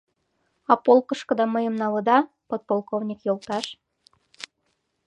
— А полкышкыда мыйым налыда, подполковник йолташ?